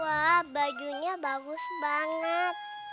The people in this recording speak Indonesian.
wah bajunya bagus banget